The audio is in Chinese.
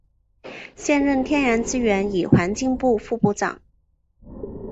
现任天然资源与环境部副部长。